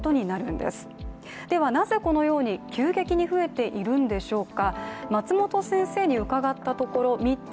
ではなぜこのように急激に増えているんでしょうか。